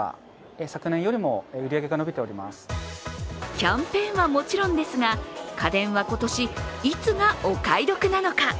キャンペーンはもちろんですが、家電は今年いつがお買い得なのか。